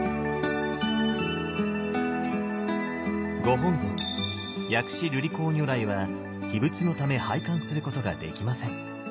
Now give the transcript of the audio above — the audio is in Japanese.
ご本尊薬師瑠璃光如来は秘仏のため拝観することができません。